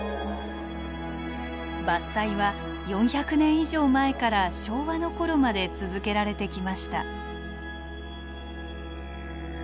伐採は４００年以上前から昭和の頃まで続けられてきました。